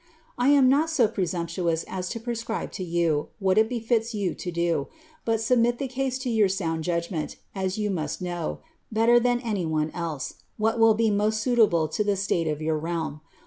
* I am not so presumptuous as to prescribe to you what it befits jrou to do, but Ribmit the case to ^ur sound jndgment, as you must know, better than any one site, what will be most suitable to the state of your realm.